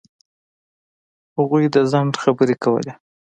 هغوی د ځنډ خبرې کولې.